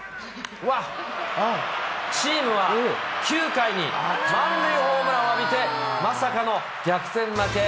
チームは９回に満塁ホームランを浴びて、まさかの逆転負け。